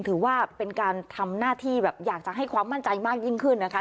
ถือว่าเป็นการทำหน้าที่แบบอยากจะให้ความมั่นใจมากยิ่งขึ้นนะคะ